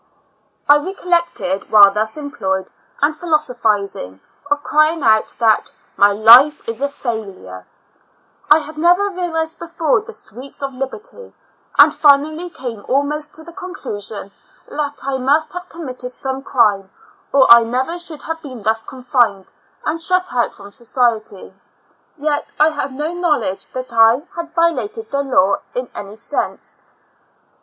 I recollect, while thus employed and thus philosophising, of crying out, that " my life is a failure^ I had never realized before the sweets of liberty, and finally came almost to the conclusion that I must have committed some crime, or I never should have been thus confined and shut out from society; yet I had no knowledge that I had violated the law in any sense.